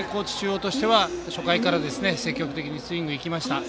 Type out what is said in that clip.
高知中央としては初回から積極的にスイングいきました。